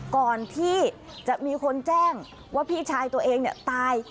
ก่อนที่จะมีคนแจ้งว่าพี่ชายตัวเองตาย